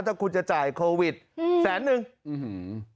ถ้าคุณจะจ่ายโควิดอืมแสนนึงอื้อหือ